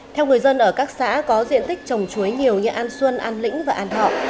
theo người dân ở các xã có diện tích trồng chuối nhiều như an xuân an lĩnh và an thọ